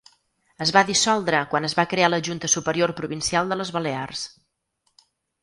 Es va dissoldre quan es va crear la Junta Superior Provincial de les Balears.